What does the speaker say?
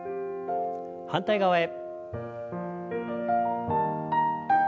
反対側へ。